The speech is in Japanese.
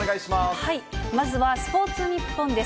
まずはスポーツニッポンです。